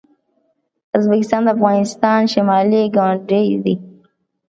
ازبکستان د افغانستان شمالي ګاونډی دی.